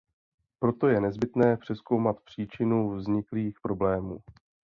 Proto je nezbytné přezkoumat příčinu vzniklých problémů.